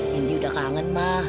nanti udah kangen ma